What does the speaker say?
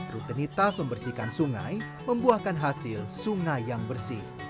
rutinitas membersihkan sungai membuahkan hasil sungai yang bersih